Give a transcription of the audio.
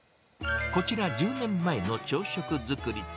こちら１０年前の朝食作り。